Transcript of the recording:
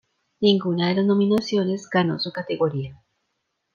Ninguna de las nominaciones ganó su categoría.